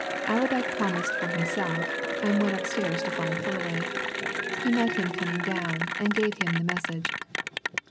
Allerdyke promised for himself, and went upstairs to find Fullaway. He met him coming down, and gave him the message.